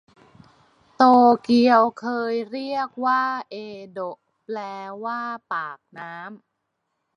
โตเกียวเคยเรียกว่าเอโดะแปลว่าปากน้ำ